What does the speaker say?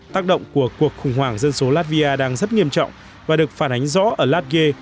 tác động của cuộc khủng hoảng dân số latvia đang rất nghiêm trọng và được phản ánh rõ ở latge